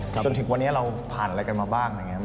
จนถึงวันนี้เราผ่านอะไรกันมาบ้าง